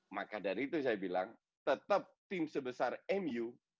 maka dari itu saya bilang tetap tim sebesar mu